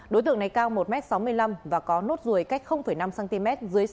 đối tượng này cao một m sáu mươi năm và có nốt ruồi cách năm m